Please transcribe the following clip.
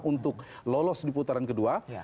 untuk lolos di putaran kedua